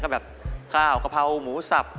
ก็แบบข้าวกะเพราหมูสับ